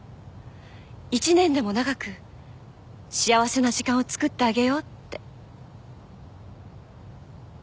一年でも長く幸せな時間をつくってあげようって。